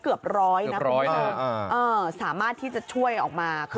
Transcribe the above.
เกือบร้อยนะปีนี้สามารถที่จะช่วยออกมาคือ